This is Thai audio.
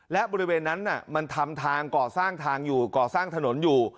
และบริเวณนั้นมันทำทางก่อสร้างทางอยู่ก่อสร้างถนนอยู่